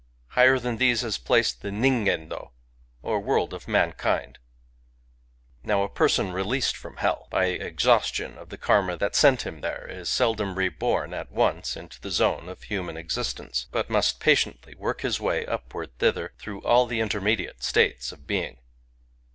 Higher than these is placed the Ningendby or World of Mankind. Now a person released from hell, by exhaustion of the karma that sent him there, is seldom reborn at once into the zone of human existence, but must patiently work his way upward thither, through all Digitized by Googk GAKI 187 the intermediate states of being.